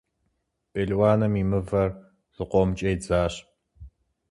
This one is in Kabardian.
Пелуаным и мывэр зыкъомкӏэ идзащ.